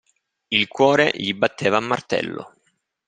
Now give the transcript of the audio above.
Il cuore gli batteva a martello.